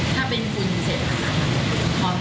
ถ้าเป็นคุณเสร็จแล้วนะครับ